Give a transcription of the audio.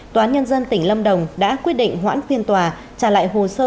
tòa án nhân dân tỉnh lâm đồng đã quyết định hoãn phiên tòa trả lại hồ sơ